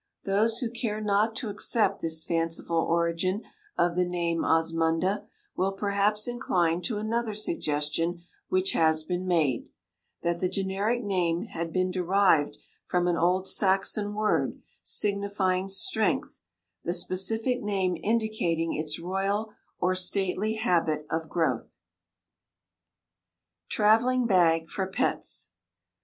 Those who care not to accept this fanciful origin of the name Osmunda, will perhaps incline to another suggestion which has been made, that the generic name had been derived from an old Saxon word signifying strength, the specific name indicating its royal or stately habit of growth. TRAVELLING BAG FOR PETS. [Illustration: TRAVELLING BAG FOR PETS.